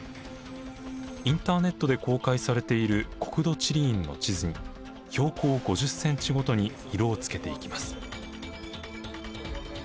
インターネットで公開されている国土地理院の地図に標高５０ｃｍごとに色をつけていきます。